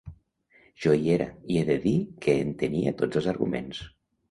Jo hi era, i he de dir que entenia tots els arguments.